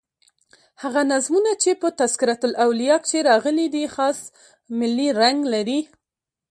هغه نظمونه چي په "تذکرةالاولیاء" کښي راغلي دي خاص ملي رنګ لري.